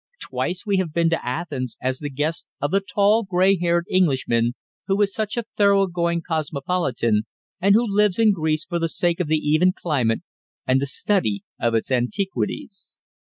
Twice we have been to Athens as the guest of the tall, grey haired Englishman who is such a thorough going cosmopolitan, and who lives in Greece for the sake of the even climate and the study of its antiquities.